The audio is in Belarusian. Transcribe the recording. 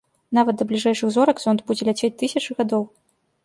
Нават да бліжэйшых зорак зонд будзе ляцець тысячы гадоў.